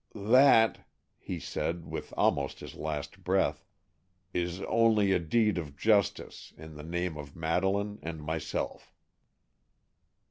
"That," he said, with almost his last breath, "is only a deed of justice, in the name of Madeleine and myself."